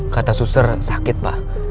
kata susur sakit pak